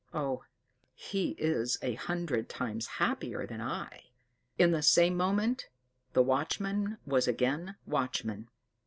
Oh, he is a hundred times happier than I!" In the same moment the watchman was again watchman.